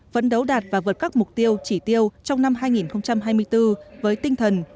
vẫn đấu đạt và vượt các mục tiêu chỉ tiêu trong năm hai nghìn hai mươi bốn với tinh thần